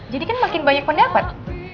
jadi kan makin banyak pendapat